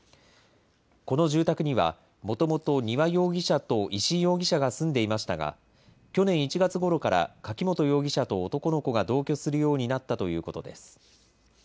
この住宅には、もともと丹羽容疑者と石井容疑者が住んでいましたが、去年１月ごろから柿本容疑者と男の子が同居するようになったということです。